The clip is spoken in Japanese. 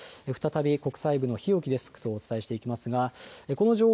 再び国際部の日置デスクとお伝えしていきます。